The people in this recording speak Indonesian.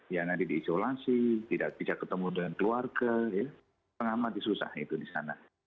ya nanti diisolasi tidak bisa ketemu dengan keluarga pengamat susah itu di sana